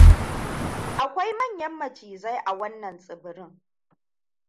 Akwai manyan macizai a wannan tsibirin.